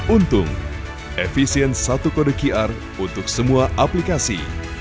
untung efisien satu kode qr untuk semua aplikasi